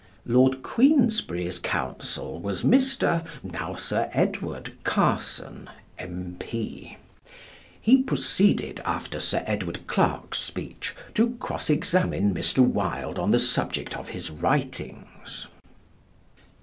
Lord Queensberry's Counsel was Mr. (now Sir Edward) Carson, M.P. He proceeded, after Sir Edward's Clarke's speech, to cross examine Mr. Wilde on the subject of his writings.